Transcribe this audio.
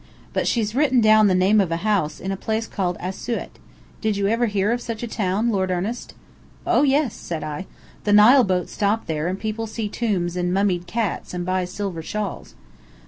But she's written down the name of a house in a place called Asiut. Did you ever hear of such a town, Lord Ernest?" "Oh, yes," said I. "The Nile boats stop there and people see tombs and mummied cats and buy silver shawls."